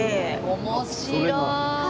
面白い！